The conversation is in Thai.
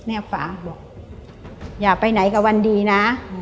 ฝาบอกอย่าไปไหนกับวันดีนะ